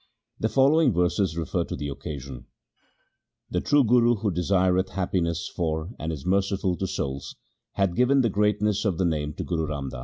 The following verses refer to the occasion :— The true Guru who desireth happiness for, and is merciful to souls, hath given the greatness of the Name to Guru Ram Das.